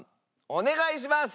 お願いします！